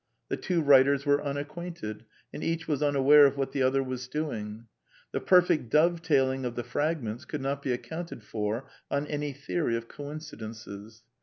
The two writers were unacquainted, and each was unaware of what the other was doing. The perfect dove tailing of the fragments .could not be accounted for on any theory of coincidences.